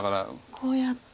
こうやって。